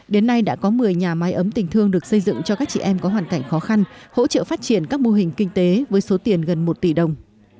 đến nay đã có một mươi nhà máy ấm tình thương được xây dựng cho các chị em có hoàn cảnh khó khăn hỗ trợ phát triển các mô hình kinh tế với số tiền gần một tỷ đồng